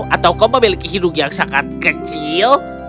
atau kau memiliki hidung yang sangat kecil